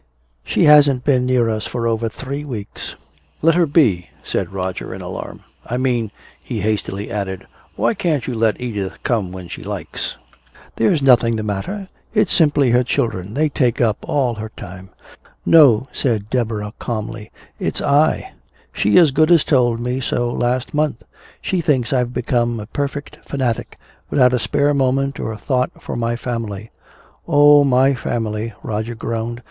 "She hasn't been near us for over three weeks." "Let her be!" said Roger, in alarm. "I mean," he hastily added, "why can't you let Edith come when she likes? There's nothing the matter. It's simply her children they take up her time." "No," said Deborah calmly, "it's I. She as good as told me so last month. She thinks I've become a perfect fanatic without a spare moment or thought for my family." "Oh, my family!" Roger groaned.